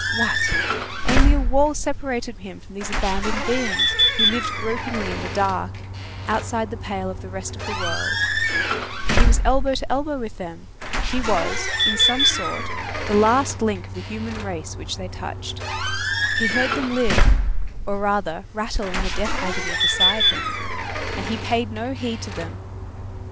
What! only a wall separated him from those abandoned beings who lived gropingly in the dark outside the pale of the rest of the world, he was elbow to elbow with them, he was, in some sort, the last link of the human race which they touched, he heard them live, or rather, rattle in the death agony beside him, and he paid no heed to them!